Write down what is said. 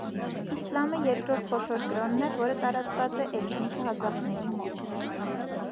Իսլամը երկրորդ խոշոր կրոնն է, որը տարածված է էթնիկ ղազախների մոտ։